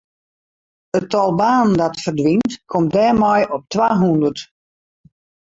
It tal banen dat ferdwynt komt dêrmei op twahûndert.